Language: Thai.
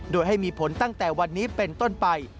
โดยให้มีผลตั้งแต่วันนี้เป็นต้นไป